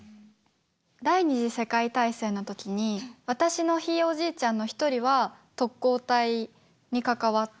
第２次世界大戦の時に私のひいおじいちゃんの一人は特攻隊に関わってて。